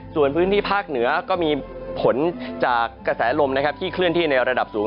ส่วนพื้นที่ภาคเหนือก็มีผลจากกระแสลมที่เคลื่อนที่ในระดับสูง